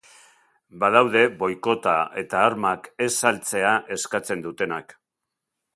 Badaude boikota eta armak ez saltzea eskatzen dutenak.